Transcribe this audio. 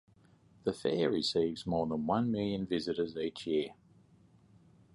The Fair receives more than one million visitors each year.